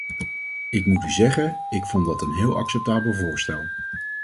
Ik moet u zeggen, ik vond dat een heel acceptabel voorstel.